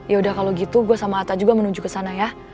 yaudah kalau gitu gue sama atta juga menuju ke sana ya